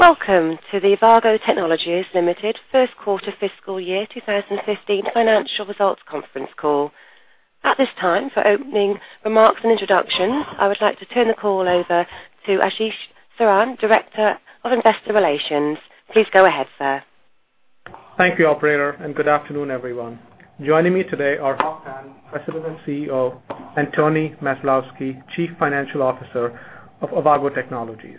Welcome to the Avago Technologies Limited first quarter fiscal year 2015 financial results conference call. At this time, for opening remarks and introductions, I would like to turn the call over to Ashish Saran, Director of Investor Relations. Please go ahead, sir. Thank you, operator. Good afternoon, everyone. Joining me today are Hock Tan, President and CEO, and Anthony Maslowski, Chief Financial Officer of Avago Technologies.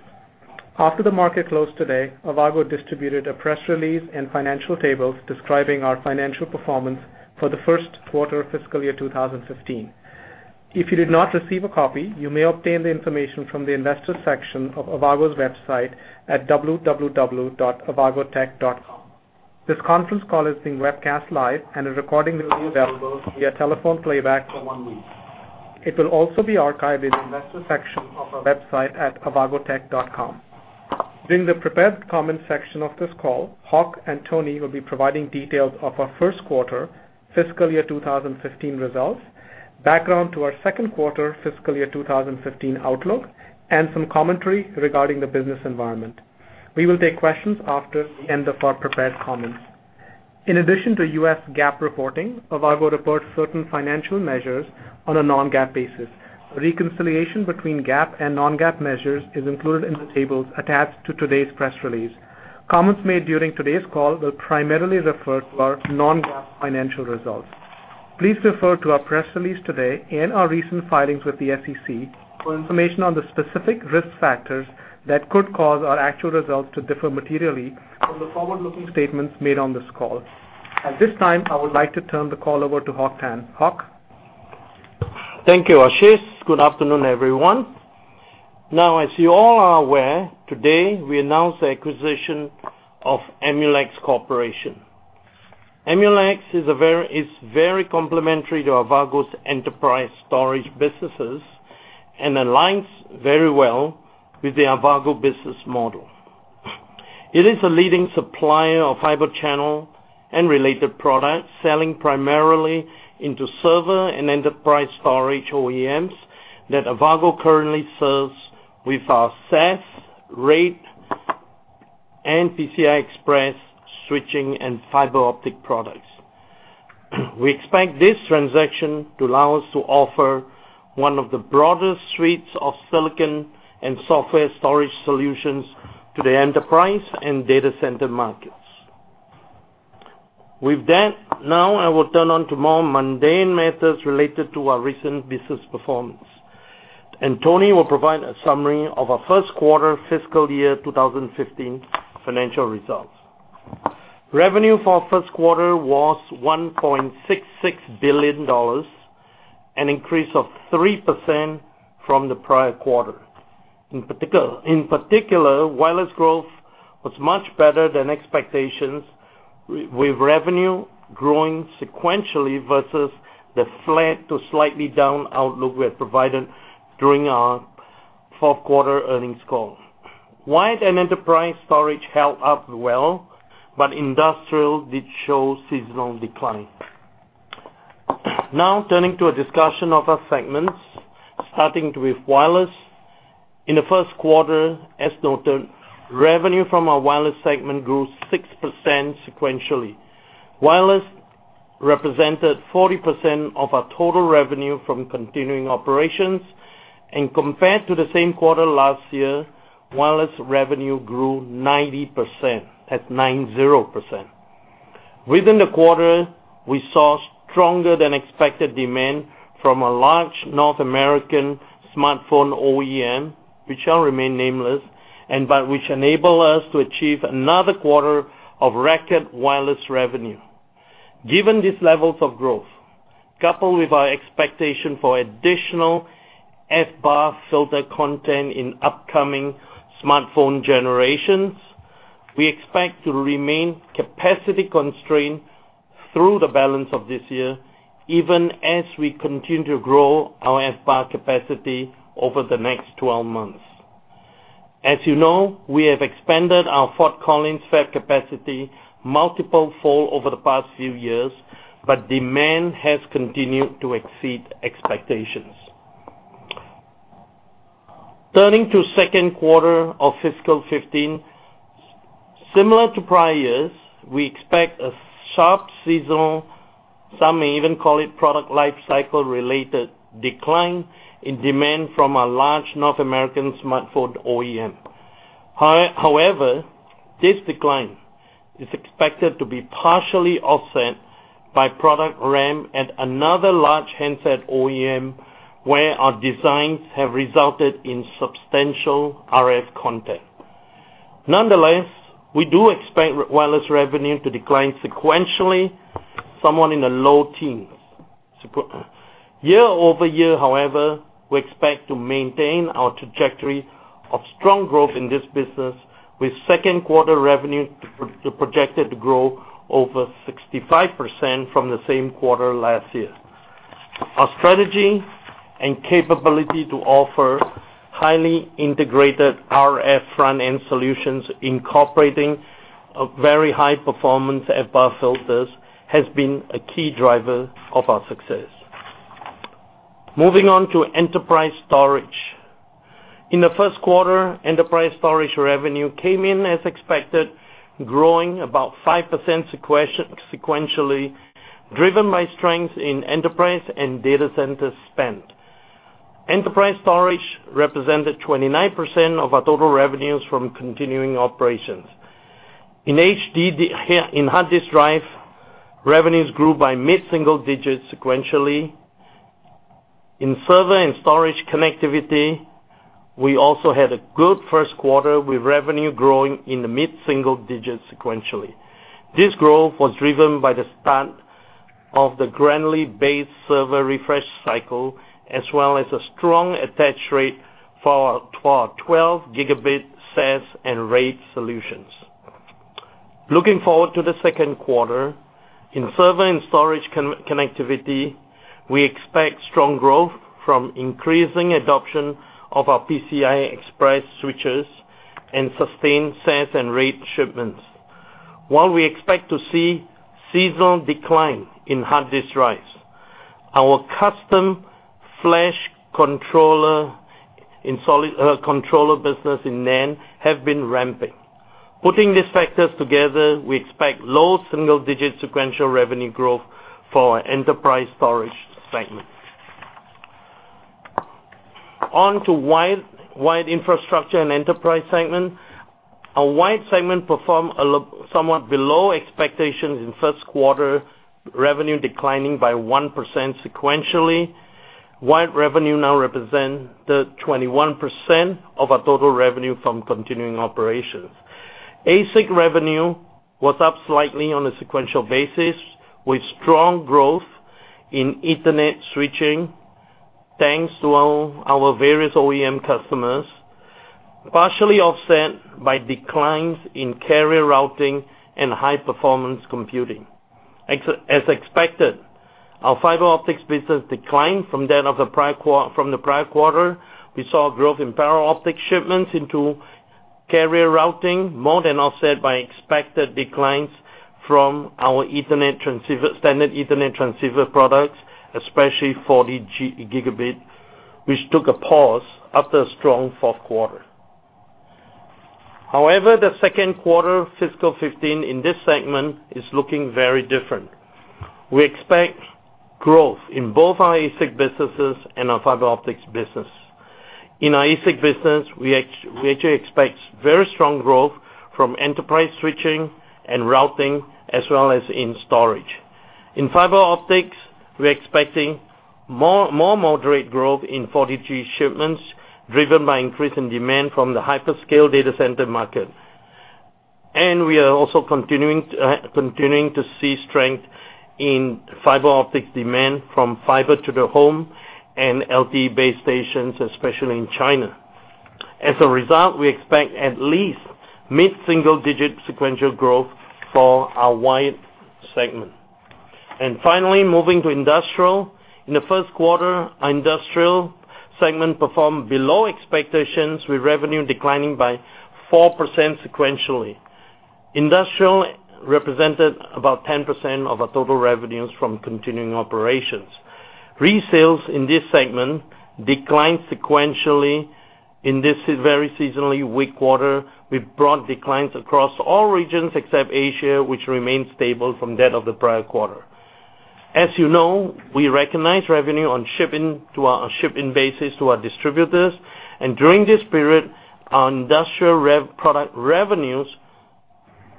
After the market closed today, Avago distributed a press release and financial tables describing our financial performance for the first quarter of fiscal year 2015. If you did not receive a copy, you may obtain the information from the investor section of Avago's website at www.avagotech.com. This conference call is being webcast live and a recording will be available via telephone playback for one week. It will also be archived in the investor section of our website at avagotech.com. During the prepared comment section of this call, Hock and Tony will be providing details of our first quarter fiscal year 2015 results, background to our second quarter fiscal year 2015 outlook, and some commentary regarding the business environment. We will take questions after the end of our prepared comments. In addition to U.S. GAAP reporting, Avago reports certain financial measures on a non-GAAP basis. A reconciliation between GAAP and non-GAAP measures is included in the tables attached to today's press release. Comments made during today's call will primarily refer to our non-GAAP financial results. Please refer to our press release today and our recent filings with the SEC for information on the specific risk factors that could cause our actual results to differ materially from the forward-looking statements made on this call. At this time, I would like to turn the call over to Hock Tan. Hock? Thank you, Ashish. Good afternoon, everyone. As you all are aware, today, we announce the acquisition of Emulex Corporation. Emulex is very complementary to Avago's enterprise storage businesses and aligns very well with the Avago business model. It is a leading supplier of Fibre Channel and related products, selling primarily into server and enterprise storage OEMs that Avago currently serves with our SAS, RAID, and PCI Express switching and fiber optic products. We expect this transaction to allow us to offer one of the broadest suites of silicon and software storage solutions to the enterprise and data center markets. With that, I will turn on to more mundane matters related to our recent business performance, and Tony will provide a summary of our first quarter fiscal year 2015 financial results. Revenue for first quarter was $1.66 billion, an increase of 3% from the prior quarter. In particular, wireless growth was much better than expectations, with revenue growing sequentially versus the flat to slightly down outlook we had provided during our fourth quarter earnings call. Wired and enterprise storage held up well, but industrial did show seasonal decline. Turning to a discussion of our segments, starting with wireless. In the first quarter, as noted, revenue from our wireless segment grew 6% sequentially. Wireless represented 40% of our total revenue from continuing operations and compared to the same quarter last year, wireless revenue grew 90%, that's 90%. Within the quarter, we saw stronger than expected demand from a large North American smartphone OEM, which shall remain nameless, but which enabled us to achieve another quarter of record wireless revenue. Given these levels of growth, coupled with our expectation for additional FBAR filter content in upcoming smartphone generations, we expect to remain capacity constrained through the balance of this year, even as we continue to grow our FBAR capacity over the next 12 months. As you know, we have expanded our Fort Collins fab capacity multiple-fold over the past few years, but demand has continued to exceed expectations. Turning to second quarter of fiscal 2015, similar to prior years, we expect a sharp seasonal, some may even call it product lifecycle related decline in demand from a large North American smartphone OEM. This decline is expected to be partially offset by product ramp at another large handset OEM, where our designs have resulted in substantial RF content. We do expect wireless revenue to decline sequentially, somewhat in the low teens. Year-over-year, we expect to maintain our trajectory of strong growth in this business, with second quarter revenue projected to grow over 65% from the same quarter last year. Our strategy and capability to offer highly integrated RF front-end solutions incorporating very high performance FBAR filters has been a key driver of our success. Moving on to enterprise storage. In the first quarter, enterprise storage revenue came in as expected, growing about 5% sequentially, driven by strength in enterprise and data center spend. Enterprise storage represented 29% of our total revenues from continuing operations. In hard disk drive, revenues grew by mid-single digits sequentially. In server and storage connectivity, we also had a good first quarter with revenue growing in the mid-single digits sequentially. This growth was driven by the start of the Grantley-based server refresh cycle, as well as a strong attach rate for our 12-gigabit SAS and RAID solutions. Looking forward to the second quarter, in server and storage connectivity, we expect strong growth from increasing adoption of our PCI Express switches and sustained SAS and RAID shipments. While we expect to see seasonal decline in hard disk drives, our custom flash controller business in NAND have been ramping. Putting these factors together, we expect low single-digit sequential revenue growth for our enterprise storage segment. On to wired infrastructure and enterprise segment. Our wired segment performed somewhat below expectations in first quarter, revenue declining by 1% sequentially. Wired revenue now represent the 21% of our total revenue from continuing operations. ASIC revenue was up slightly on a sequential basis, with strong growth in Ethernet switching, thanks to our various OEM customers, partially offset by declines in carrier routing and high-performance computing. As expected, our fiber optics business declined from the prior quarter. We saw growth in fiber optic shipments into carrier routing, more than offset by expected declines from our standard Ethernet transceiver products, especially 40 gigabit, which took a pause after a strong fourth quarter. However, the second quarter fiscal 2015 in this segment is looking very different. We expect growth in both our ASIC businesses and our fiber optics business. In our ASIC business, we actually expect very strong growth from enterprise switching and routing as well as in storage. In fiber optics, we're expecting more moderate growth in 40G shipments, driven by increasing demand from the hyperscale data center market. We are also continuing to see strength in fiber optics demand from fiber to the home and LTE base stations, especially in China. As a result, we expect at least mid-single digit sequential growth for our wired segment. Finally, moving to industrial. In the first quarter, our industrial segment performed below expectations with revenue declining by 4% sequentially. Industrial represented about 10% of our total revenues from continuing operations. Resales in this segment declined sequentially in this very seasonally weak quarter, with broad declines across all regions except Asia, which remained stable from that of the prior quarter. As you know, we recognize revenue on a shipping basis to our distributors, and during this period, our industrial product revenues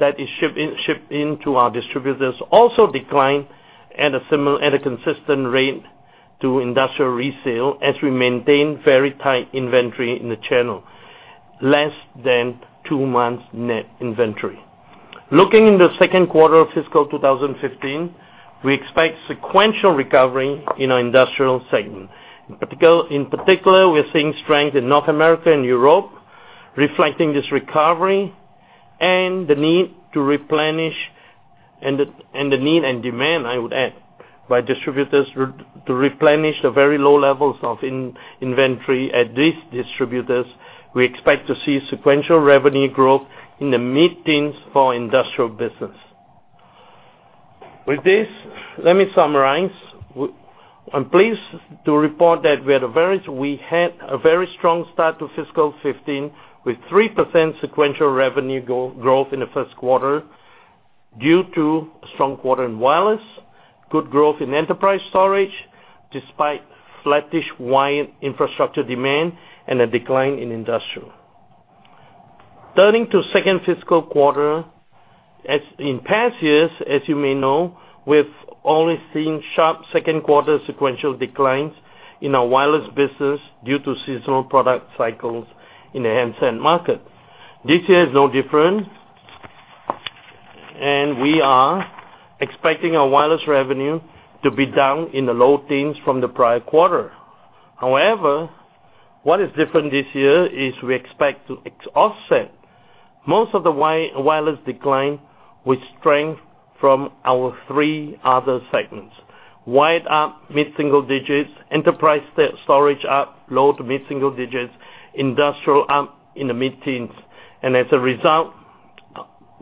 that is shipped in to our distributors also declined at a consistent rate to industrial resale as we maintain very tight inventory in the channel, less than two months net inventory. Looking in the second quarter of fiscal 2015, we expect sequential recovery in our industrial segment. In particular, we're seeing strength in North America and Europe reflecting this recovery and the need to replenish and the need and demand, I would add, by distributors to replenish the very low levels of inventory at these distributors. We expect to see sequential revenue growth in the mid-teens for industrial business. With this, let me summarize. I'm pleased to report that we had a very strong start to fiscal 2015, with 3% sequential revenue growth in the first quarter due to strong quarter in wireless, good growth in enterprise storage despite flattish wired infrastructure demand, and a decline in industrial. Turning to second fiscal quarter, as in past years, as you may know, we've always seen sharp second quarter sequential declines in our wireless business due to seasonal product cycles in the handset market. This year is no different, and we are expecting our wireless revenue to be down in the low teens from the prior quarter. However, what is different this year is we expect to offset most of the wireless decline with strength from our three other segments. Wired up mid-single digits, enterprise storage up low to mid-single digits, industrial up in the mid-teens. As a result,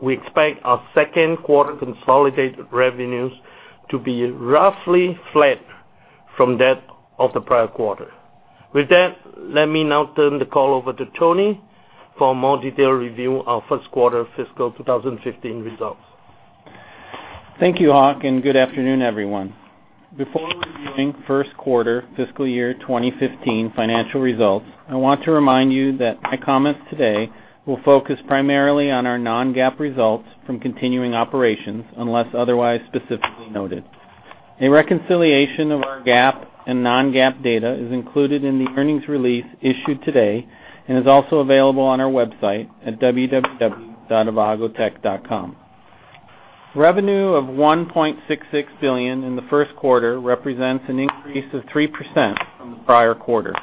we expect our second quarter consolidated revenues to be roughly flat from that of the prior quarter. With that, let me now turn the call over to Tony for a more detailed review of our first quarter fiscal 2015 results. Thank you, Hock, and good afternoon, everyone. Before reviewing first quarter fiscal year 2015 financial results, I want to remind you that my comments today will focus primarily on our non-GAAP results from continuing operations, unless otherwise specifically noted. A reconciliation of our GAAP and non-GAAP data is included in the earnings release issued today and is also available on our website at www.avagotech.com. Revenue of $1.66 billion in the first quarter represents an increase of 3% from the prior quarter.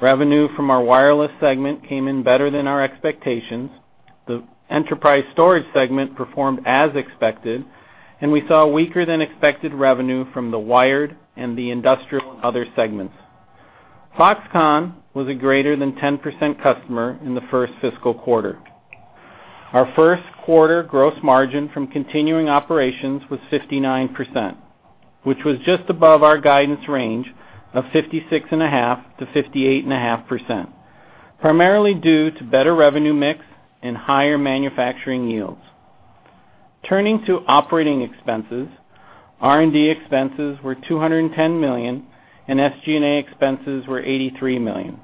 Revenue from our wireless segment came in better than our expectations. The enterprise storage segment performed as expected, and we saw weaker-than-expected revenue from the wired and the industrial other segments. Foxconn was a greater than 10% customer in the first fiscal quarter. Our first quarter gross margin from continuing operations was 59%, which was just above our guidance range of 56.5%-58.5%, primarily due to better revenue mix and higher manufacturing yields. Turning to operating expenses, R&D expenses were $210 million, and SG&A expenses were $83 million,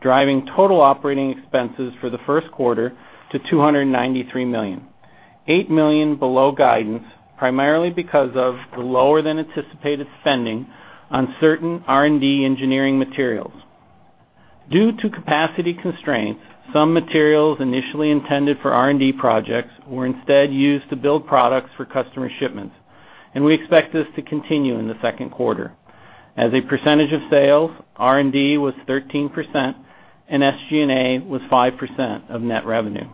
driving total operating expenses for the first quarter to $293 million, $8 million below guidance, primarily because of the lower than anticipated spending on certain R&D engineering materials. Due to capacity constraints, some materials initially intended for R&D projects were instead used to build products for customer shipments, and we expect this to continue in the second quarter. As a percentage of sales, R&D was 13%, and SG&A was 5% of net revenue.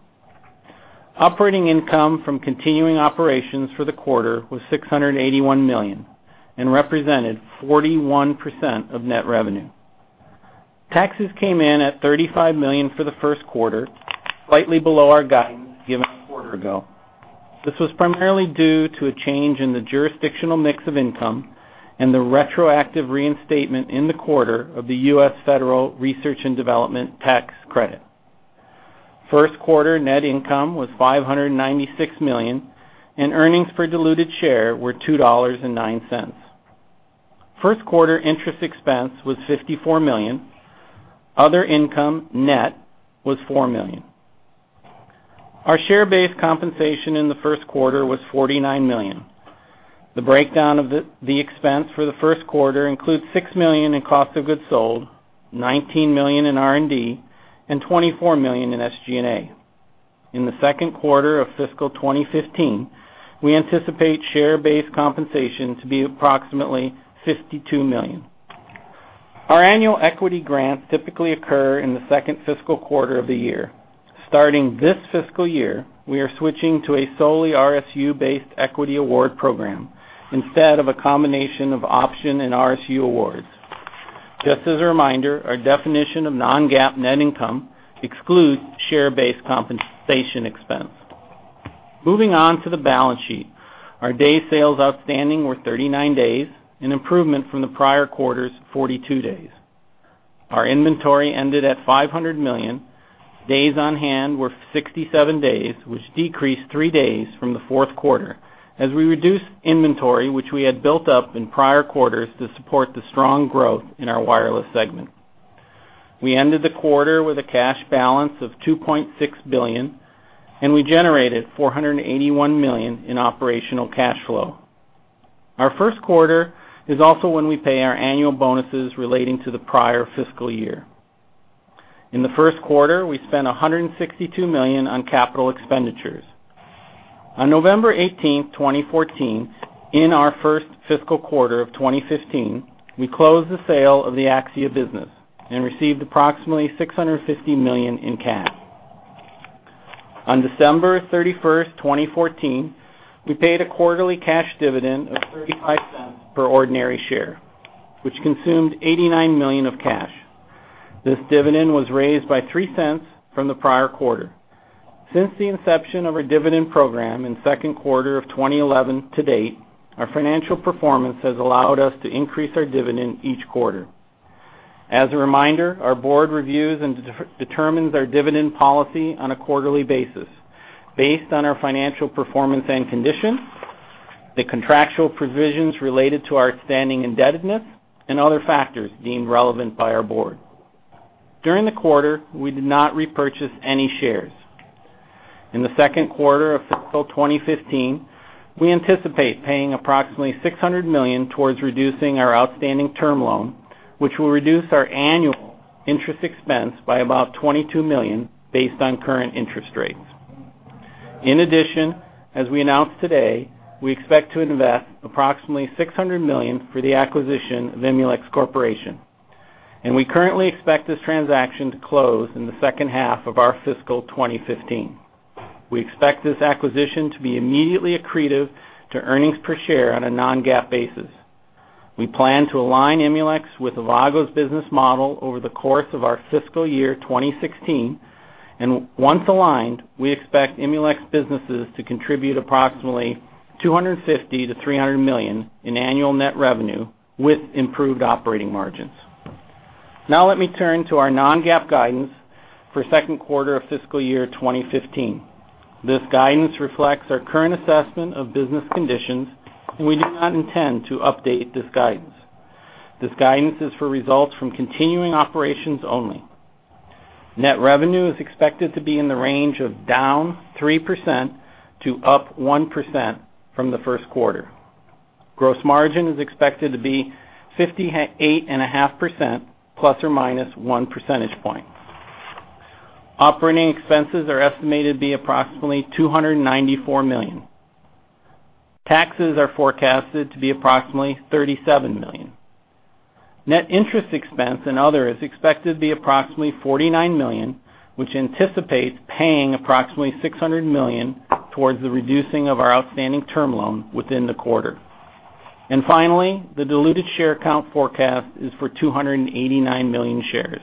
Operating income from continuing operations for the quarter was $681 million and represented 41% of net revenue. Taxes came in at $35 million for the first quarter, slightly below our guidance given a quarter ago. This was primarily due to a change in the jurisdictional mix of income and the retroactive reinstatement in the quarter of the U.S. Federal Research and Development Tax Credit. First quarter net income was $596 million, and earnings per diluted share were $2.09. First quarter interest expense was $54 million. Other income net was $4 million. Our share-based compensation in the first quarter was $49 million. The breakdown of the expense for the first quarter includes $6 million in cost of goods sold, $19 million in R&D, and $24 million in SG&A. In the second quarter of fiscal 2015, we anticipate share-based compensation to be approximately $52 million. Our annual equity grants typically occur in the second fiscal quarter of the year. Starting this fiscal year, we are switching to a solely RSU-based equity award program instead of a combination of option and RSU awards. Just as a reminder, our definition of non-GAAP net income excludes share-based compensation expense. Moving on to the balance sheet. Our day sales outstanding were 39 days, an improvement from the prior quarter's 42 days. Our inventory ended at $500 million. Days on hand were 67 days, which decreased three days from the fourth quarter as we reduced inventory, which we had built up in prior quarters to support the strong growth in our wireless segment. We ended the quarter with a cash balance of $2.6 billion, and we generated $481 million in operational cash flow. Our first quarter is also when we pay our annual bonuses relating to the prior fiscal year. In the first quarter, we spent $162 million on capital expenditures. On November 18, 2014, in our first fiscal quarter of 2015, we closed the sale of the Axxia business and received approximately $650 million in cash. On December 31st, 2014, we paid a quarterly cash dividend of $0.35 per ordinary share, which consumed $89 million of cash. This dividend was raised by $0.03 from the prior quarter. Since the inception of our dividend program in second quarter of 2011 to date, our financial performance has allowed us to increase our dividend each quarter. As a reminder, our board reviews and determines our dividend policy on a quarterly basis based on our financial performance and condition, the contractual provisions related to our outstanding indebtedness, and other factors deemed relevant by our board. During the quarter, we did not repurchase any shares. In the second quarter of fiscal 2015, we anticipate paying approximately $600 million towards reducing our outstanding term loan, which will reduce our annual interest expense by about $22 million based on current interest rates. As we announced today, we expect to invest approximately $600 million for the acquisition of Emulex Corporation, and we currently expect this transaction to close in the second half of our fiscal 2015. We expect this acquisition to be immediately accretive to earnings per share on a non-GAAP basis. We plan to align Emulex with Avago's business model over the course of our fiscal year 2016. Once aligned, we expect Emulex businesses to contribute approximately $250 million-$300 million in annual net revenue with improved operating margins. Let me turn to our non-GAAP guidance for second quarter of fiscal year 2015. This guidance reflects our current assessment of business conditions, and we do not intend to update this guidance. This guidance is for results from continuing operations only. Net revenue is expected to be in the range of -3% to +1% from the first quarter. Gross margin is expected to be 58.5% ±1 percentage point. Operating expenses are estimated to be approximately $294 million. Taxes are forecasted to be approximately $37 million. Net interest expense and other is expected to be approximately $49 million, which anticipates paying approximately $600 million towards the reducing of our outstanding term loan within the quarter. Finally, the diluted share count forecast is for 289 million shares.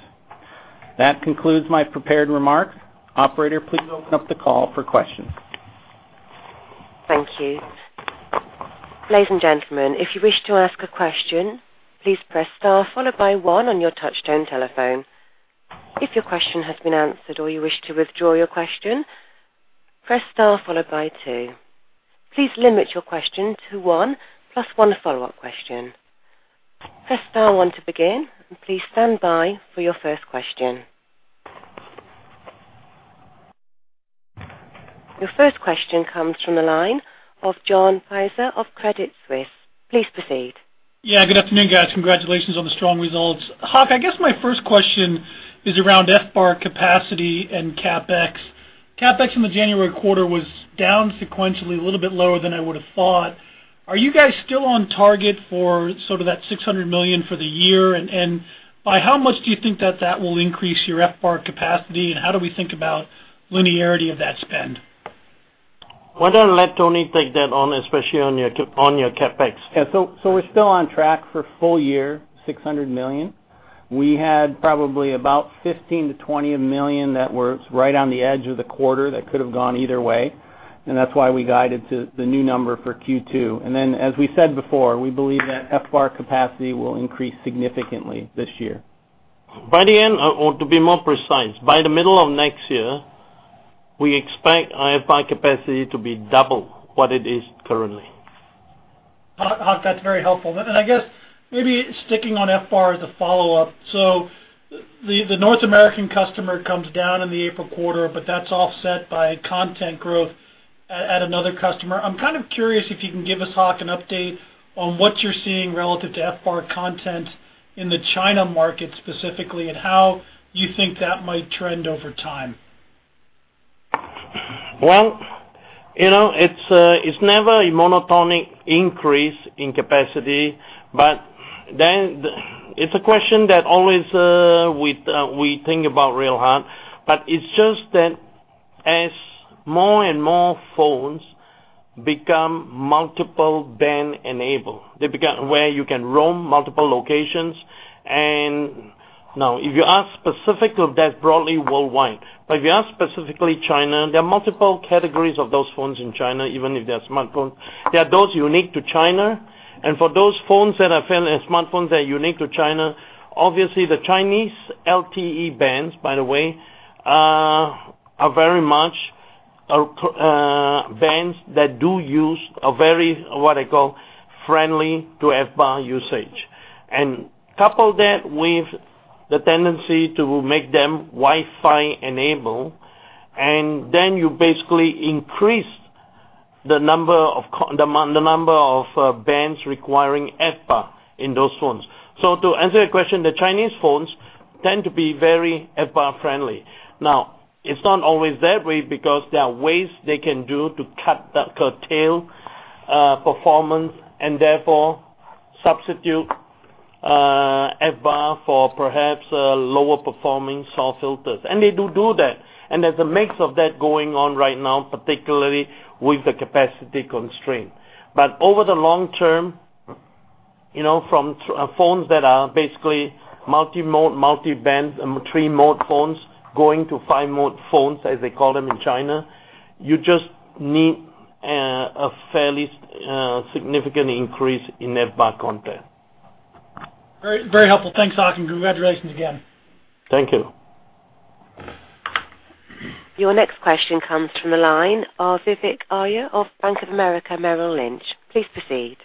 That concludes my prepared remarks. Operator, please open up the call for questions. Thank you. Ladies and gentlemen, if you wish to ask a question, please press star followed by one on your touchtone telephone. If your question has been answered or you wish to withdraw your question, press star followed by two. Please limit your question to one, plus one follow-up question. Press star one to begin, and please stand by for your first question. Your first question comes from the line of John Pitzer of Credit Suisse. Please proceed. Good afternoon, guys. Congratulations on the strong results. Hock, I guess my first question is around FBAR capacity and CapEx. CapEx in the January quarter was down sequentially a little bit lower than I would have thought. Are you guys still on target for sort of that $600 million for the year? By how much do you think that that will increase your FBAR capacity, and how do we think about linearity of that spend? Why don't let Tony take that on, especially on your CapEx? We're still on track for full year, $600 million. We had probably about $15 million to $20 million that were right on the edge of the quarter that could have gone either way, and that's why we guided to the new number for Q2. As we said before, we believe that FBAR capacity will increase significantly this year. By the end, or to be more precise, by the middle of next year, we expect FBAR capacity to be double what it is currently. Hock, that's very helpful. I guess maybe sticking on FBAR as a follow-up. The North American customer comes down in the April quarter, but that's offset by content growth at another customer. I'm kind of curious if you can give us, Hock, an update on what you're seeing relative to FBAR content in the China market specifically, and how you think that might trend over time. It's never a monotonic increase in capacity, but then it's a question that always we think about real hard. It's just that as more and more phones become multiple band enabled, where you can roam multiple locations. If you ask specific of that broadly worldwide, but if you ask specifically China, there are multiple categories of those phones in China, even if they are smartphone. There are those unique to China, and for those phones that are smartphones that are unique to China, obviously the Chinese LTE bands, by the way, are very much bands that do use a very, what I call, friendly to FBAR usage. Couple that with the tendency to make them Wi-Fi enabled, and then you basically increase the number of bands requiring FBAR in those phones. To answer your question, the Chinese phones tend to be very FBAR friendly. Now, it's not always that way because there are ways they can do to cut that curtail performance and therefore substitute FBAR for perhaps lower performing saw filters. They do that. There's a mix of that going on right now, particularly with the capacity constraint. Over the long term, from phones that are basically multi-mode, multi-band, 3-mode phones going to 5-mode phones, as they call them in China, you just need a fairly significant increase in FBAR content. Very helpful. Thanks, Hock, and congratulations again. Thank you. Your next question comes from the line of Vivek Arya of Bank of America, Merrill Lynch. Please proceed.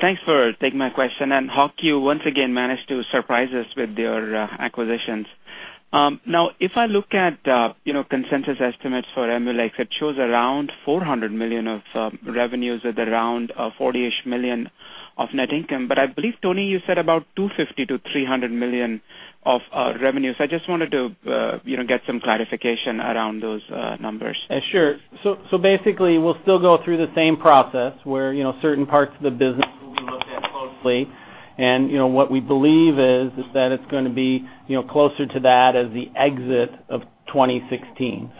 Thanks for taking my question. Hock, you once again managed to surprise us with your acquisitions. If I look at consensus estimates for Emulex, it shows around $400 million of revenues with around $40 million-ish of net income. I believe, Tony, you said about $250 million to $300 million of revenues. I just wanted to get some clarification around those numbers. Sure. Basically, we'll still go through the same process, where certain parts of the business will be looked at closely. What we believe is that it's going to be closer to that as the exit of 2016.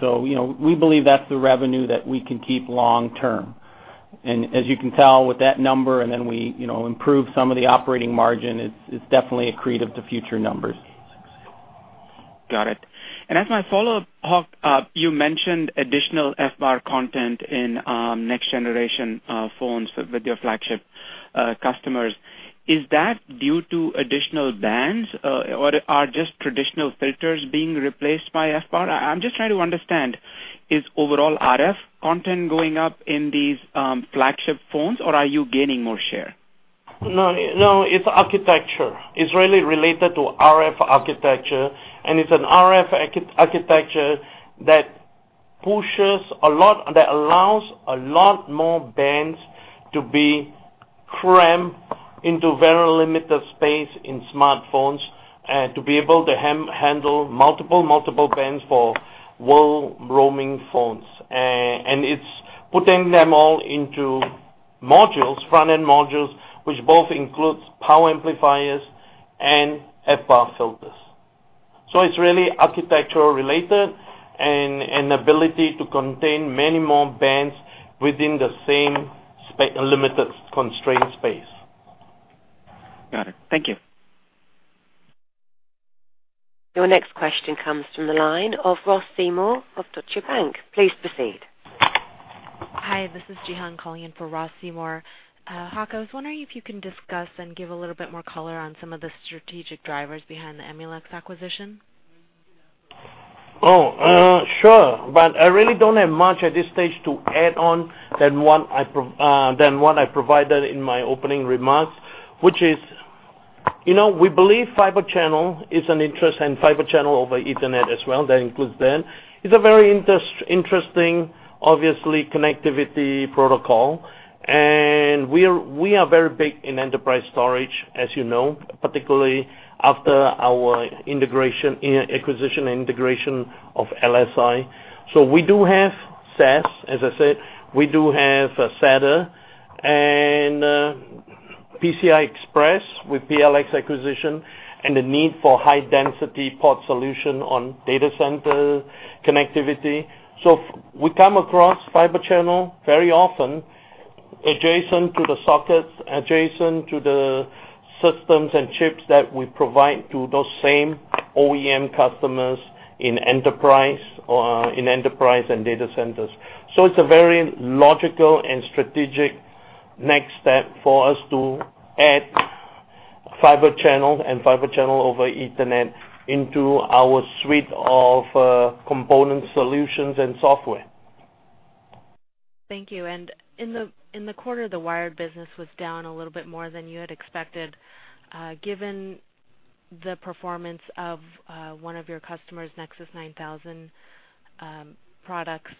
We believe that's the revenue that we can keep long-term. As you can tell with that number, and then we improve some of the operating margin, it's definitely accretive to future numbers. Got it. As my follow-up, Hock, you mentioned additional FBAR content in next-generation phones with your flagship customers. Is that due to additional bands, or are just traditional filters being replaced by FBAR? I'm just trying to understand, is overall RF content going up in these flagship phones, or are you gaining more share? No, it's architecture. It's really related to RF architecture, it's an RF architecture that allows a lot more bands to be crammed into very limited space in smartphones, to be able to handle multiple bands for world-roaming phones. It's putting them all into front-end modules, which both includes power amplifiers and FBAR filters. It's really architecture-related and an ability to contain many more bands within the same limited constraint space. Got it. Thank you. Your next question comes from the line of Ross Seymore of Deutsche Bank. Please proceed. Hi, this is Ji Yoo calling in for Ross Seymore. Hock, I was wondering if you can discuss and give a little bit more color on some of the strategic drivers behind the Emulex acquisition. Oh, sure. I really don't have much at this stage to add on than what I provided in my opening remarks, which is, we believe Fibre Channel is an interest, and Fibre Channel over Ethernet as well, that includes then. It's a very interesting, obviously, connectivity protocol. We are very big in enterprise storage, as you know, particularly after our acquisition and integration of LSI. We do have SAS, as I said, we do have SATA and PCI Express with PLX acquisition and the need for high-density port solution on data center connectivity. We come across Fibre Channel very often, adjacent to the sockets, adjacent to the systems and chips that we provide to those same OEM customers in enterprise and data centers. It's a very logical and strategic next step for us to add Fibre Channel and Fibre Channel over Ethernet into our suite of component solutions and software. Thank you. In the quarter, the wired business was down a little bit more than you had expected. Given the performance of one of your customers, Nexus 9000 products,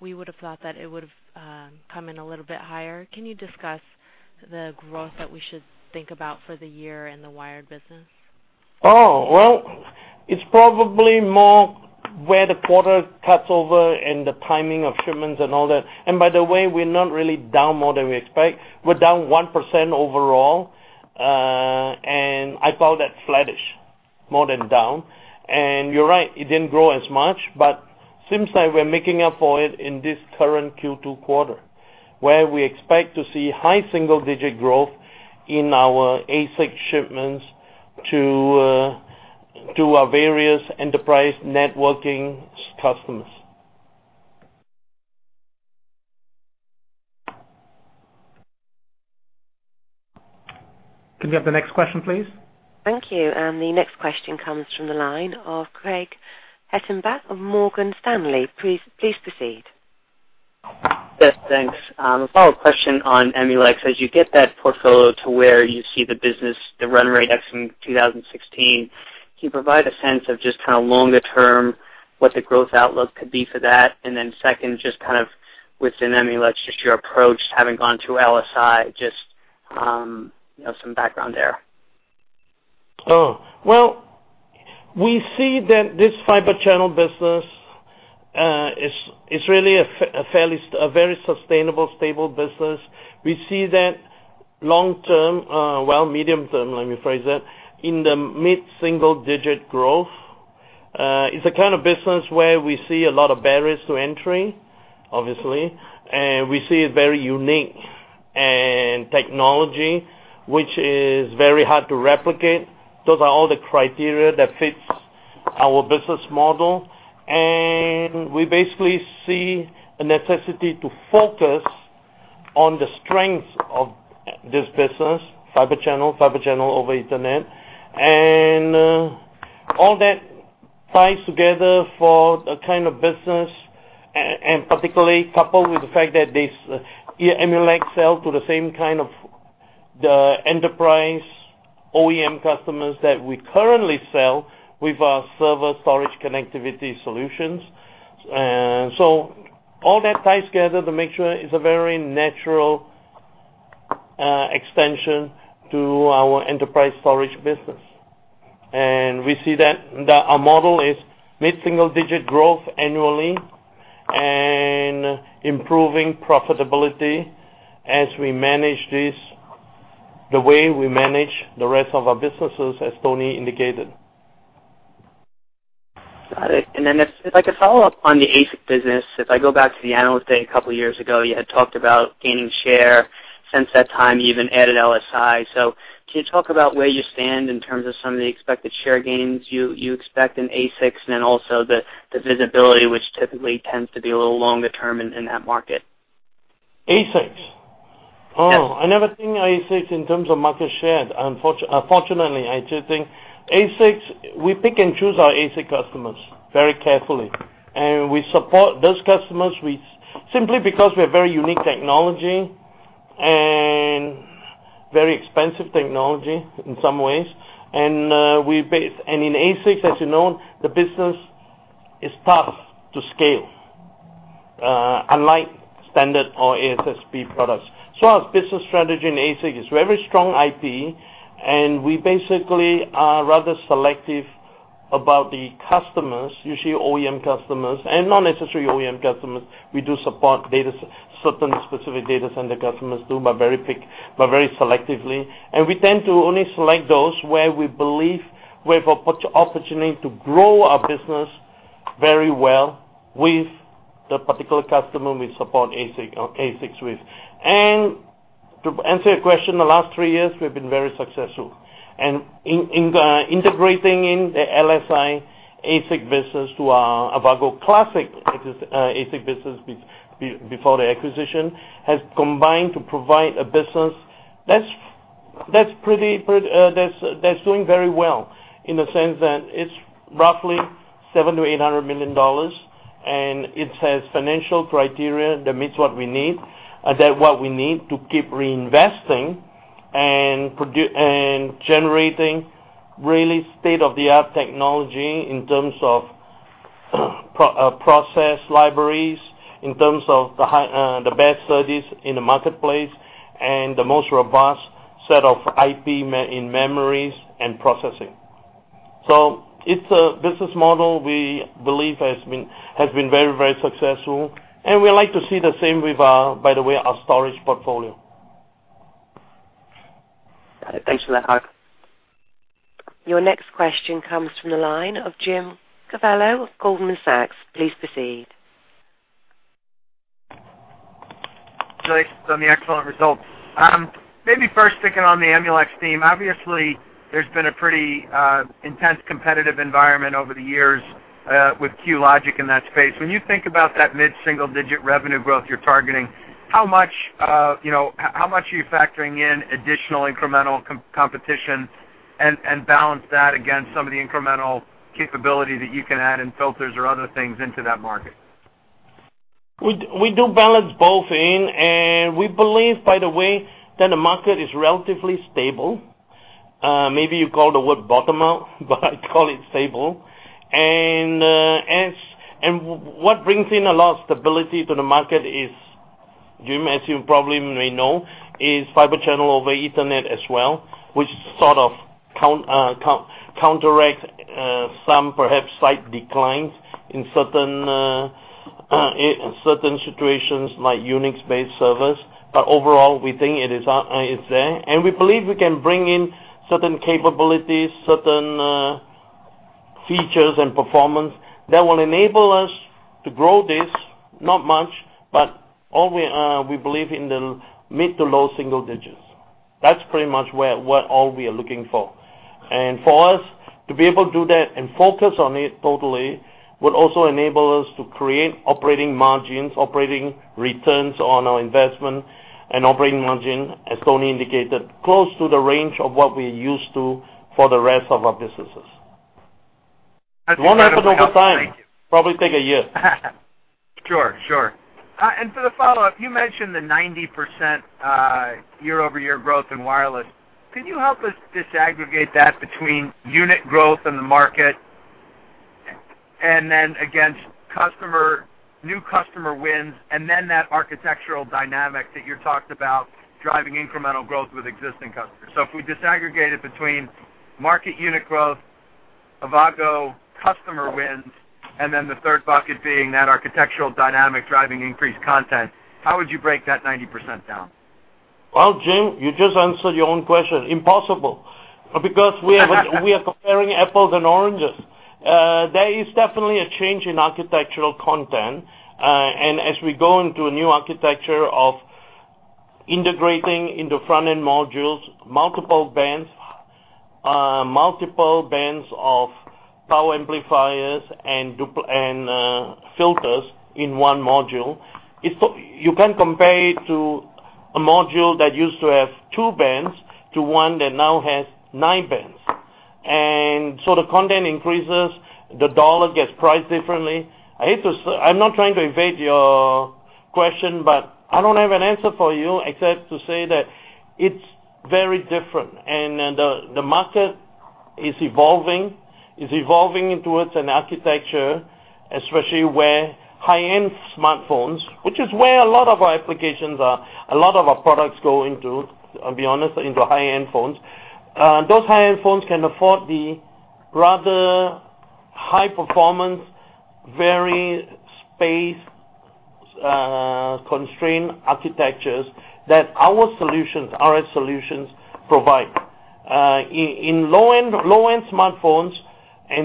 we would have thought that it would have come in a little bit higher. Can you discuss the growth that we should think about for the year in the wired business? Well, it's probably more where the quarter cuts over and the timing of shipments and all that. By the way, we're not really down more than we expect. We're down 1% overall, and I call that flattish more than down. You're right, it didn't grow as much, but seems like we're making up for it in this current Q2 quarter, where we expect to see high single-digit growth in our ASIC shipments to our various enterprise networking customers. Could we have the next question, please? Thank you. The next question comes from the line of Craig Hettenbach of Morgan Stanley. Please proceed. Yes. Thanks. A follow-up question on Emulex. As you get that portfolio to where you see the business, the run rate X in 2016, can you provide a sense of just longer term what the growth outlook could be for that? Then second, just within Emulex, just your approach having gone to LSI, just some background there. Oh, well, we see that this Fibre Channel business is really a very sustainable, stable business. We see that long-term, well, medium-term, let me rephrase that, in the mid-single digit growth. It's a kind of business where we see a lot of barriers to entry, obviously, we see a very unique technology which is very hard to replicate. Those are all the criteria that fits our business model. We basically see a necessity to focus on the strength of this business, Fibre Channel, Fibre Channel over Ethernet, all that ties together for a kind of business, particularly coupled with the fact that this Emulex sell to the same kind of the enterprise OEM customers that we currently sell with our server storage connectivity solutions. All that ties together to make sure it's a very natural extension to our enterprise storage business. We see that our model is mid-single-digit growth annually and improving profitability as we manage this the way we manage the rest of our businesses, as Tony indicated. Got it. If I could follow up on the ASIC business, if I go back to the Analyst Day a couple of years ago, you had talked about gaining share. Since that time, you even added LSI. Can you talk about where you stand in terms of some of the expected share gains you expect in ASICs and also the visibility, which typically tends to be a little longer-term in that market? ASICs? Yes. I never think of ASICs in terms of market share. Fortunately, I just think, we pick and choose our ASIC customers very carefully, and we support those customers simply because we have very unique technology and very expensive technology in some ways. In ASICs, as you know, the business is tough to scale, unlike standard or ASSP products. Our business strategy in ASIC is very strong IP, and we basically are rather selective about the customers, usually OEM customers and not necessarily OEM customers. We do support certain specific data center customers too, but very selectively. We tend to only select those where we believe we have opportunity to grow our business very well with the particular customer we support ASICs with. To answer your question, the last three years, we've been very successful. Integrating in the LSI ASIC business to our Avago classic ASIC business before the acquisition, has combined to provide a business that's doing very well in the sense that it's roughly $700 million-$800 million, and it has financial criteria that meets what we need to keep reinvesting and generating really state-of-the-art technology in terms of process libraries, in terms of the best foundries in the marketplace, and the most robust set of IP in memories and processing. It's a business model we believe has been very successful, we like to see the same with, by the way, our storage portfolio. Thanks for that, Hock. Your next question comes from the line of James Covello, Goldman Sachs. Please proceed. Congratulations on the excellent results. Maybe first sticking on the Emulex theme. Obviously, there's been a pretty intense competitive environment over the years with QLogic in that space. When you think about that mid-single-digit revenue growth you're targeting, how much are you factoring in additional incremental competition and balance that against some of the incremental capability that you can add in filters or other things into that market? We do balance both in. We believe, by the way, that the market is relatively stable. Maybe you call the word bottom out, but I call it stable. What brings in a lot of stability to the market is, Jim, as you probably may know, is Fibre Channel over Ethernet as well, which sort of counteracts some perhaps slight declines in certain situations like Unix-based servers. Overall, we think it's there, and we believe we can bring in certain capabilities, certain features, and performance that will enable us to grow this, not much, but we believe in the mid to low single digits. That's pretty much what all we are looking for. For us to be able to do that and focus on it totally would also enable us to create operating margins, operating returns on our investment, and operating margin, as Tony indicated, close to the range of what we're used to for the rest of our businesses. That's incredible help. Thank you. It won't happen over time. Probably take a year. Sure. For the follow-up, you mentioned the 90% year-over-year growth in wireless. Can you help us disaggregate that between unit growth in the market and then against new customer wins, and then that architectural dynamic that you talked about driving incremental growth with existing customers? If we disaggregate it between market unit growth, Avago customer wins, and then the third bucket being that architectural dynamic driving increased content, how would you break that 90% down? Well, Jim, you just answered your own question. Impossible. We are comparing apples and oranges. There is definitely a change in architectural content. As we go into a new architecture of integrating in the front-end modules, multiple bands of power amplifiers and filters in one module, you can compare it to a module that used to have two bands to one that now has nine bands. The content increases, the dollar gets priced differently. I'm not trying to evade your question, I don't have an answer for you except to say that it's very different. The market is evolving towards an architecture. Especially where high-end smartphones, which is where a lot of our applications are, a lot of our products go into, to be honest, into high-end phones. Those high-end phones can afford the rather high-performance, very space-constrained architectures that our solutions provide. In low-end smartphones,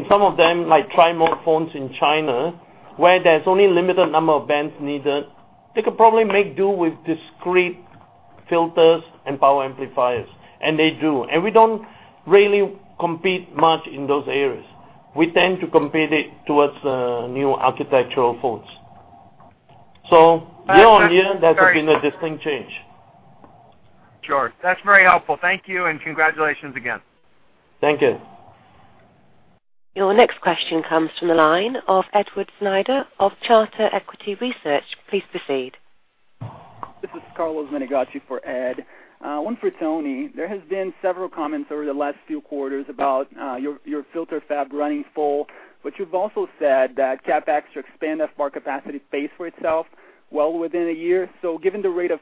some of them like tri-mode phones in China, where there's only limited number of bands needed, they could probably make do with discrete filters and power amplifiers. They do. We don't really compete much in those areas. We tend to compete it towards new architectural phones. Year-on-year, that has been a distinct change. Sure. That's very helpful. Thank you, and congratulations again. Thank you. Your next question comes from the line of Edward Snyder of Charter Equity Research. Please proceed. This is [Carlos Menegatto] for Ed. One for Tony. There has been several comments over the last few quarters about your filter fab running full, but you've also said that CapEx to expand FBAR capacity pays for itself well within a year. Given the rate of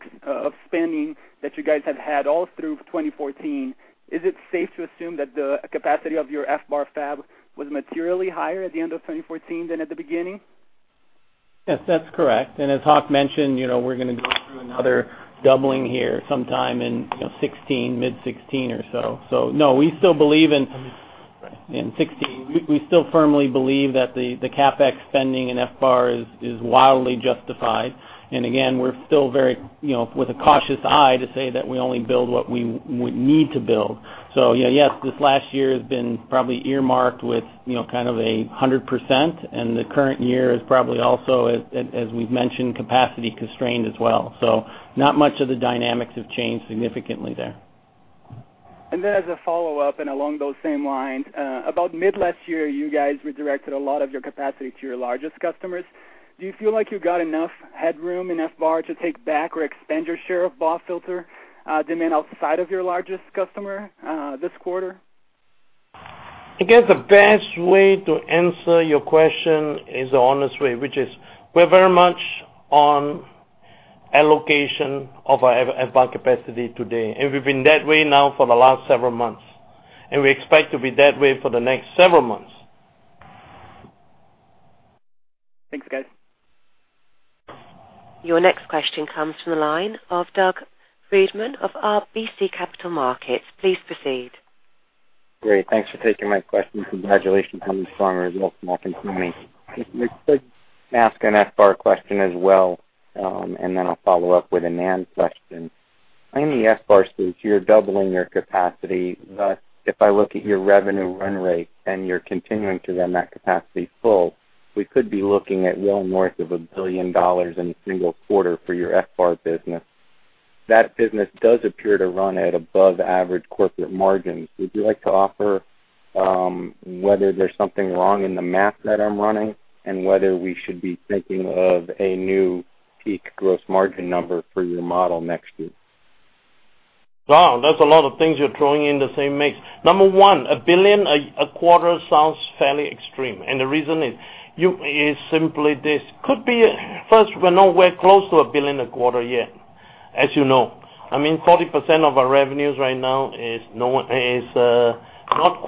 spending that you guys have had all through 2014, is it safe to assume that the capacity of your FBAR fab was materially higher at the end of 2014 than at the beginning? Yes, that's correct. As Hock mentioned, we're going to go through another doubling here sometime in mid 2016 or so. No, we still firmly believe that the CapEx spending in FBAR is wildly justified. Again, we're still very with a cautious eye to say that we only build what we need to build. Yes, this last year has been probably earmarked with kind of 100%, and the current year is probably also, as we've mentioned, capacity constrained as well. Not much of the dynamics have changed significantly there. As a follow-up, along those same lines, about mid last year, you guys redirected a lot of your capacity to your largest customers. Do you feel like you got enough headroom in FBAR to take back or expand your share of BAW filter demand outside of your largest customer this quarter? I guess the best way to answer your question is the honest way, which is we're very much on allocation of our FBAR capacity today. We've been that way now for the last several months, and we expect to be that way for the next several months. Thanks, guys. Your next question comes from the line of Doug Freedman of RBC Capital Markets. Please proceed. Great. Thanks for taking my question. Congratulations on the strong results, Hock and Tony. If I could ask an FBAR question as well, then I'll follow up with a NAND question. On the FBAR suite, you're doubling your capacity, but if I look at your revenue run rate and you're continuing to run that capacity full, we could be looking at well north of $1 billion in a single quarter for your FBAR business. That business does appear to run at above average corporate margins. Would you like to offer whether there's something wrong in the math that I'm running and whether we should be thinking of a new peak gross margin number for your model next year? Wow, that's a lot of things you're throwing in the same mix. Number one, $1 billion a quarter sounds fairly extreme, and the reason is simply this. First, we're nowhere close to $1 billion a quarter yet, as you know. I mean, 40% of our revenues right now is not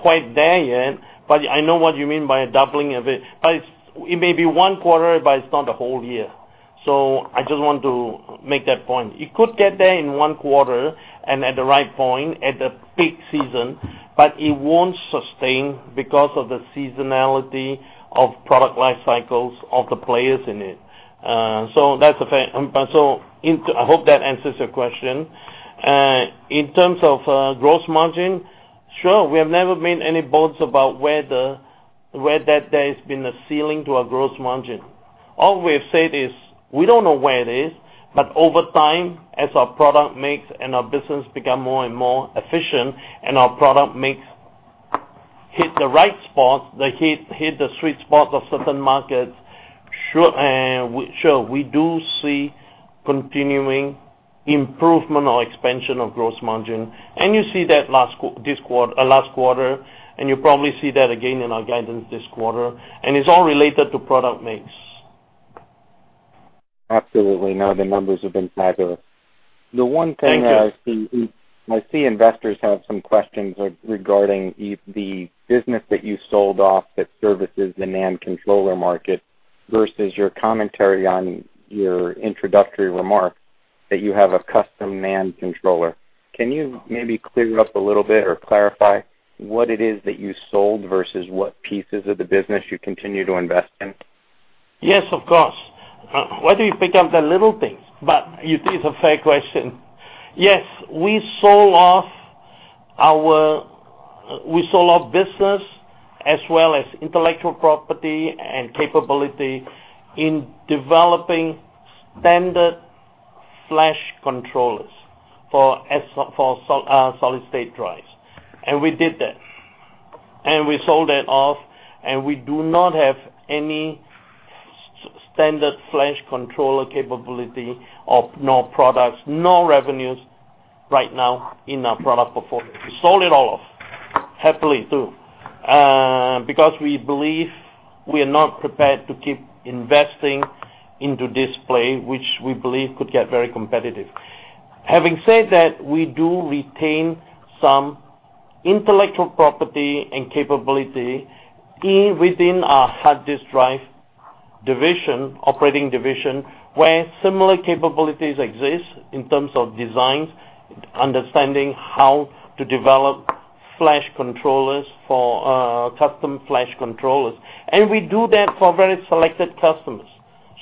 quite there yet, but I know what you mean by doubling of it. It may be one quarter, but it's not the whole year. I just want to make that point. It could get there in one quarter and at the right point at the peak season, but it won't sustain because of the seasonality of product life cycles of the players in it. I hope that answers your question. In terms of gross margin, sure, we have never made any boasts about where that there's been a ceiling to our gross margin. All we've said is we don't know where it is, over time, as our product mix and our business become more and more efficient and our product mix hit the right spot, hit the sweet spot of certain markets, sure, we do see continuing improvement or expansion of gross margin. You see that last quarter, you'll probably see that again in our guidance this quarter, it's all related to product mix. Absolutely. No, the numbers have been fabulous. Thank you. The one thing I see investors have some questions regarding the business that you sold off that services the NAND controller market versus your commentary on your introductory remarks that you have a custom NAND controller. Can you maybe clear up a little bit or clarify what it is that you sold versus what pieces of the business you continue to invest in? Yes, of course. Why do you pick up the little things? It is a fair question. Yes, we sold off business as well as intellectual property and capability in developing standard flash controllers for solid state drives. We did that, and we sold that off, and we do not have any standard flash controller capability of no products, no revenues right now in our product portfolio. We sold it all off, happily too, because we believe we are not prepared to keep investing into display, which we believe could get very competitive. Having said that, we do retain some intellectual property and capability within our hard disk drive operating division, where similar capabilities exist in terms of designs, understanding how to develop flash controllers for custom flash controllers. We do that for very selected customers,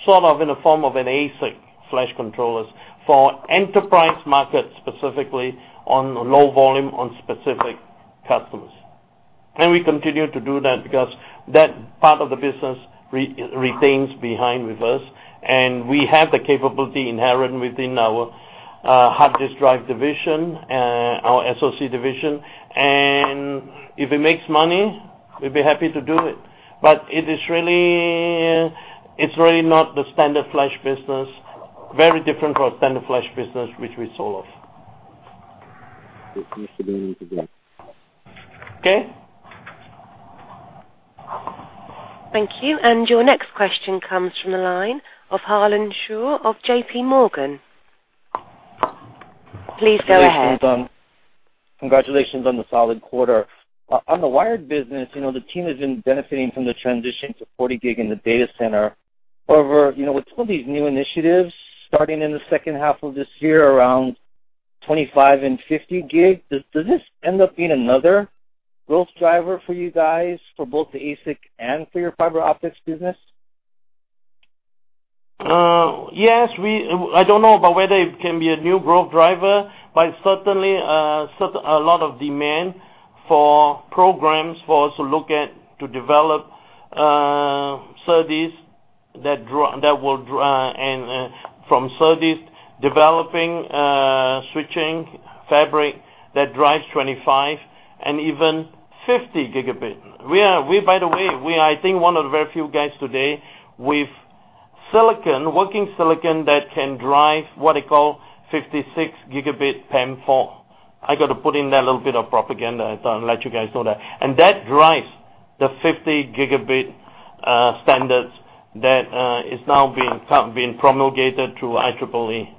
sort of in the form of an ASIC flash controllers for enterprise markets, specifically on low volume, on specific customers. We continue to do that because that part of the business retains behind with us, and we have the capability inherent within our hard disk drive division, our SoC division. If it makes money, we'd be happy to do it. It's really not the standard flash business, very different from standard flash business, which we sold off. Okay? Thank you. Your next question comes from the line of Harlan Sur of J.P. Morgan. Please go ahead. Congratulations on the solid quarter. On the wired business, the team has been benefiting from the transition to 40G in the data center. However, with some of these new initiatives starting in the second half of this year, around 25G and 50G, does this end up being another growth driver for you guys, for both the ASIC and for your fiber optics business? Yes, I don't know about whether it can be a new growth driver, but certainly a lot of demand for programs for us to look at to develop services, and from services, developing switching fabric that drives 25 and even 50 gigabit. By the way, we are, I think, one of the very few guys today with working silicon that can drive what they call 56 gigabit PAM4. I got to put in that little bit of propaganda and let you guys know that. That drives the 50 gigabit standards that is now being promulgated through IEEE.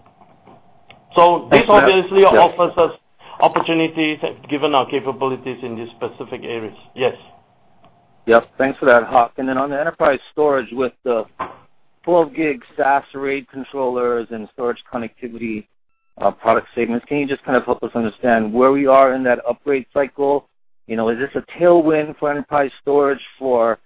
This obviously offers us opportunities given our capabilities in these specific areas. Yes. Yep. Thanks for that, Hock. Then on the enterprise storage with the 12 gig SAS RAID controllers and storage connectivity product segments, can you just kind of help us understand where we are in that upgrade cycle? Is this a tailwind for enterprise storage for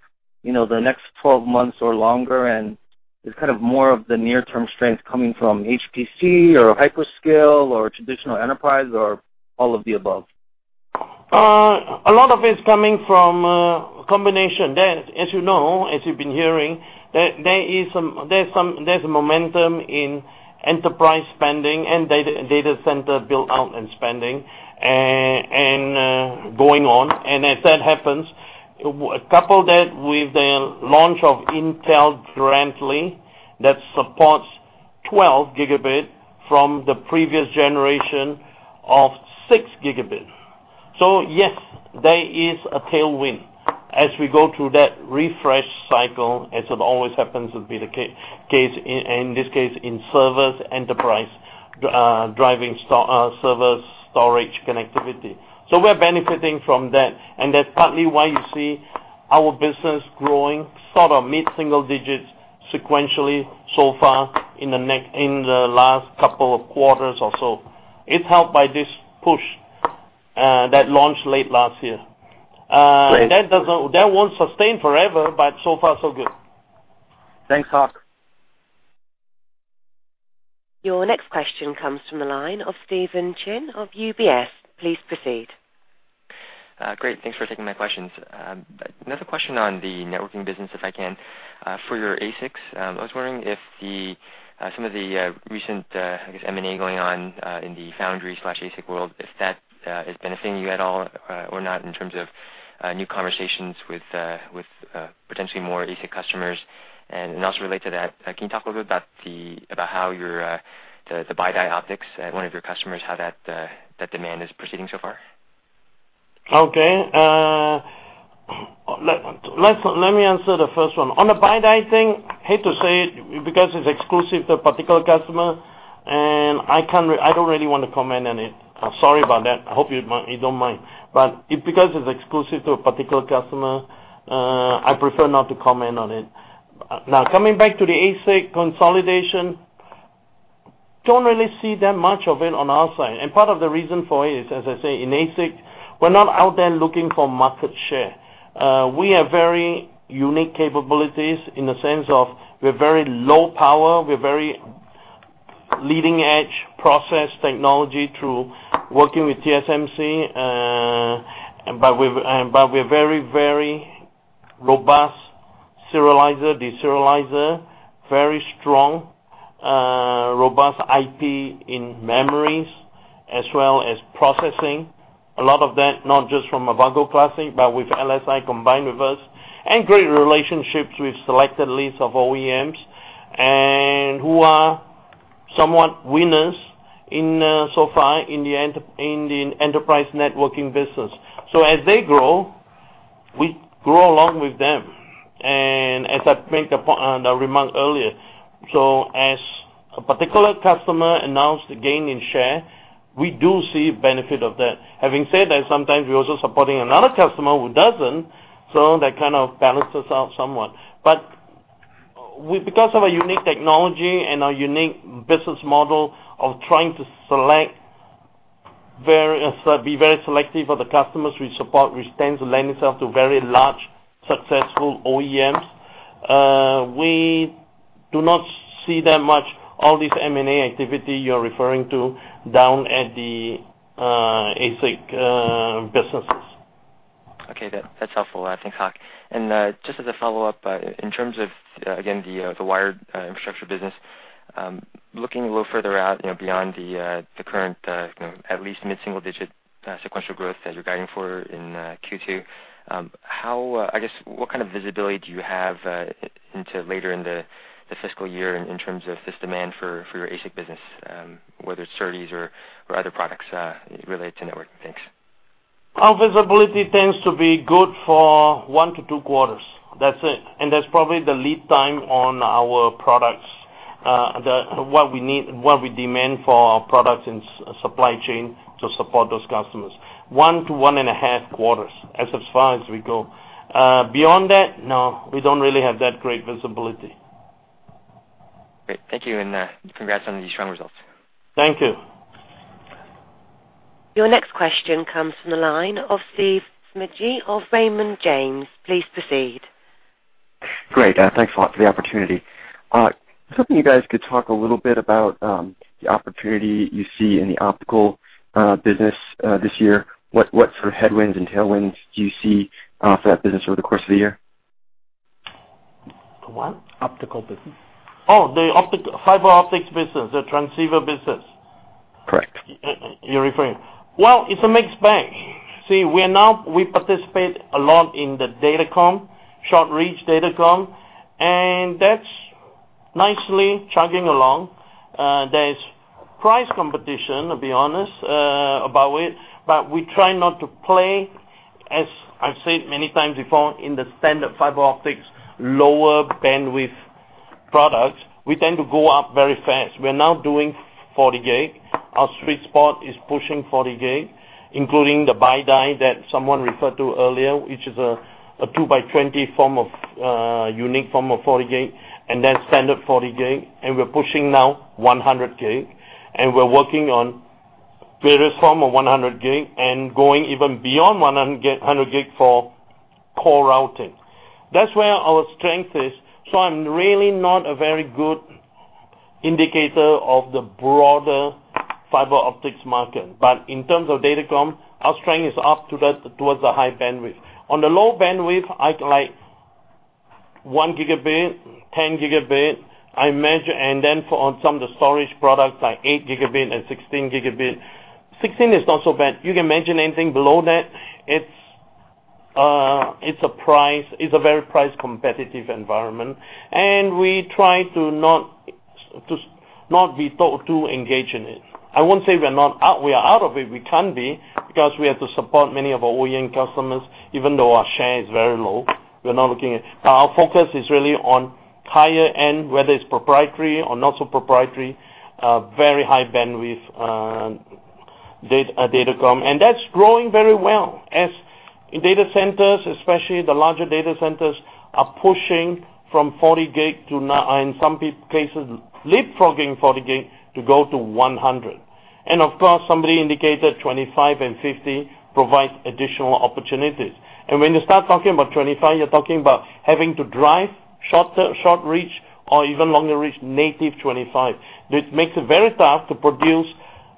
the next 12 months or longer? Is kind of more of the near term strength coming from HPC or hyperscale or traditional enterprise or all of the above? A lot of it is coming from a combination. As you know, as you've been hearing, there's a momentum in enterprise spending and data center build-out and spending, and going on. As that happens, couple that with the launch of Intel Grantley, that supports 12 gigabit from the previous generation of 6 gigabit. Yes, there is a tailwind as we go through that refresh cycle, as it always happens would be the case, in this case, in servers enterprise, driving server storage connectivity. We're benefiting from that, and that's partly why you see our business growing sort of mid-single digits sequentially so far in the last couple of quarters or so. It's helped by this push that launched late last year. Great. That won't sustain forever, but so far so good. Thanks, Hock. Your next question comes from the line of Steven Chin of UBS. Please proceed. Great. Thanks for taking my questions. Another question on the networking business, if I can. For your ASICs, I was wondering if some of the recent, I guess, M&A going on in the foundry/ASIC world, if that is benefiting you at all or not in terms of new conversations with potentially more ASIC customers. Also relate to that, can you talk a little bit about the BiDi optics at one of your customers, how that demand is proceeding so far? Okay. Let me answer the first one. On the BiDi thing, hate to say it, because it's exclusive to a particular customer, I don't really want to comment on it. Sorry about that. I hope you don't mind. Because it's exclusive to a particular customer, I prefer not to comment on it. Coming back to the ASIC consolidation, don't really see that much of it on our side. Part of the reason for it is, as I say, in ASIC, we're not out there looking for market share. We have very unique capabilities in the sense of we're very low power, we're very leading edge process technology through working with TSMC, but we're very robust serializer, deserializer, Robust IP in memories as well as processing. A lot of that, not just from Avago Classic, but with LSI combined with us, great relationships with selected lists of OEMs, who are somewhat winners so far in the enterprise networking business. As they grow, we grow along with them. As I made the remark earlier, as a particular customer announced a gain in share, we do see benefit of that. Having said that, sometimes we're also supporting another customer who doesn't, so that kind of balances out somewhat. Because of our unique technology and our unique business model of trying to be very selective of the customers we support, which tends to lend itself to very large, successful OEMs, we do not see that much, all this M&A activity you're referring to down at the ASIC businesses. Okay, that's helpful. Thanks, Hock. Just as a follow-up, in terms of, again, the wired infrastructure business, looking a little further out, beyond the current at least mid-single-digit sequential growth as you're guiding for in Q2, I guess what kind of visibility do you have into later in the fiscal year in terms of this demand for your ASIC business? Whether it's SerDes or other products related to networking. Thanks. Our visibility tends to be good for one to two quarters. That's it. That's probably the lead time on our products, what we demand for our products and supply chain to support those customers. One to one and a half quarters is as far as we go. Beyond that, no, we don't really have that great visibility. Great. Thank you, congrats on these strong results. Thank you. Your next question comes from the line of Steve Smigie of Raymond James. Please proceed. Great. Thanks a lot for the opportunity. I was hoping you guys could talk a little bit about the opportunity you see in the optical business this year. What sort of headwinds and tailwinds do you see for that business over the course of the year? The what? Optical business. The fiber optics business, the transceiver business. Correct. Well, it's a mixed bag. We participate a lot in the datacom, short-reach datacom, that's nicely chugging along. There's price competition, I'll be honest about it, we try not to play, as I've said many times before, in the standard fiber optics, lower bandwidth products. We tend to go up very fast. We're now doing 40G. Our sweet spot is pushing 40G, including the BiDi that someone referred to earlier, which is a 2 by 20 unique form of 40G, then standard 40G. We're pushing now 100G, and we're working on various forms of 100G and going even beyond 100G for core routing. That's where our strength is. I'm really not a very good indicator of the broader fiber optics market. In terms of datacom, our strength is up towards the high bandwidth. On the low bandwidth, like 1 gigabit, 10 gigabit, then for some of the storage products, like 8 gigabit and 16 gigabit. 16 is not so bad. You can imagine anything below that, it's a very price competitive environment, we try to not be too engaged in it. I won't say we are out of it. We can't be, because we have to support many of our OEM customers, even though our share is very low. Our focus is really on higher end, whether it's proprietary or not so proprietary, very high bandwidth datacom. That's growing very well as data centers, especially the larger data centers, are pushing from 40G to, in some cases, leapfrogging 40G to go to 100G. Of course, somebody indicated 25 and 50 provides additional opportunities. When you start talking about 25, you're talking about having to drive short reach or even longer reach native 25, which makes it very tough to produce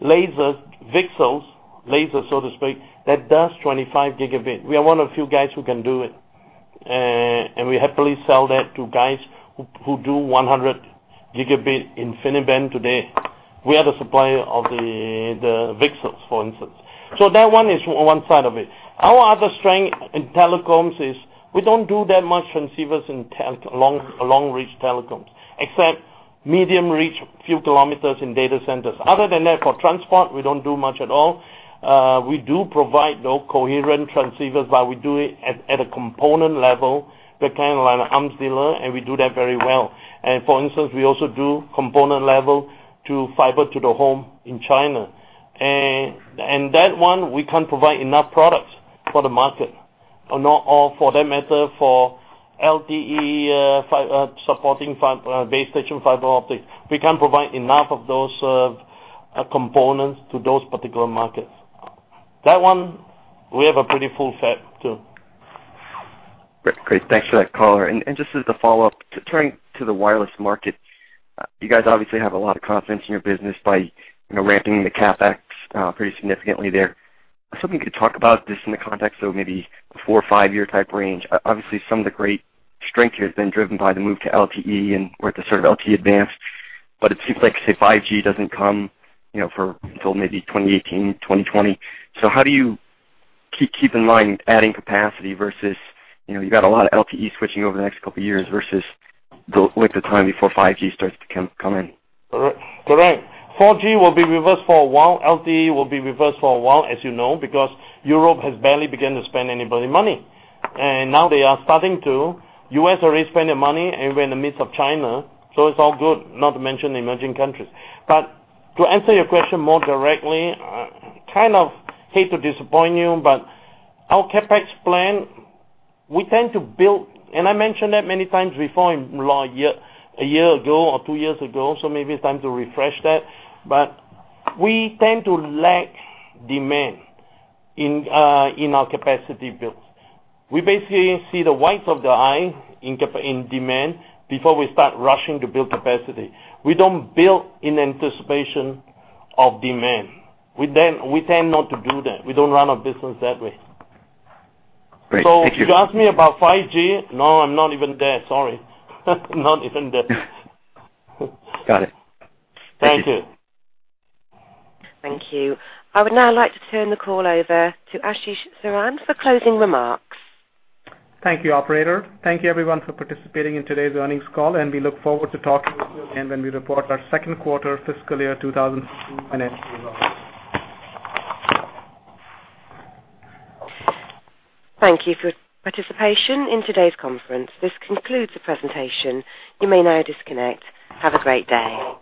laser VCSELs, lasers, so to speak, that does 25 gigabit. We are one of the few guys who can do it, and we happily sell that to guys who do 100 gigabit InfiniBand today. We are the supplier of the VCSELs, for instance. That one is one side of it. Our other strength in telecoms is we don't do that much transceivers in long-reach telecoms, except medium reach, few kilometers in data centers. Other than that, for transport, we don't do much at all. We do provide, though, coherent transceivers, but we do it at a component level. We're kind of like an arms dealer, and we do that very well. For instance, we also do component level to fiber to the home in China. That one, we can't provide enough products for the market, or for that matter, for LTE supporting base station fiber optics. We can't provide enough of those components to those particular markets. That one, we have a pretty full fab, too. Great. Thanks for that color. Just as a follow-up, turning to the wireless market, you guys obviously have a lot of confidence in your business by ramping the CapEx pretty significantly there. I was hoping you could talk about this in the context of maybe a four or five-year type range. Obviously, some of the great strength here has been driven by the move to LTE, and we're at the sort of LTE Advanced. It seems like, say, 5G doesn't come until maybe 2018, 2020. How do you keep in mind adding capacity versus, you've got a lot of LTE switching over the next couple of years versus the length of time before 5G starts to come in? Correct. 4G will be with us for a while. LTE will be with us for a while, as you know, because Europe has barely begun to spend any bloody money. Now they are starting to. U.S. already spend their money, and we're in the midst of China, it's all good, not to mention the emerging countries. To answer your question more directly, I kind of hate to disappoint you, but our CapEx plan, we tend to build, and I mentioned that many times before a year ago or two years ago, maybe it's time to refresh that. We tend to lack demand in our capacity builds. We basically see the whites of the eye in demand before we start rushing to build capacity. We don't build in anticipation of demand. We tend not to do that. We don't run our business that way. Great. Thank you. If you ask me about 5G, no, I'm not even there. Sorry. Not even there. Got it. Thank you. Thank you. Thank you. I would now like to turn the call over to Ashish Saran for closing remarks. Thank you, operator. Thank you, everyone, for participating in today's earnings call, and we look forward to talking with you again when we report our second quarter fiscal year 2015 earnings. Thank you for your participation in today's conference. This concludes the presentation. You may now disconnect. Have a great day.